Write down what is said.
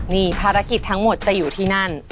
นี่ภารกิจทั้งหมดจะอยู่ที่นั่น